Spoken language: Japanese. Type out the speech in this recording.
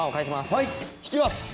はい引きます。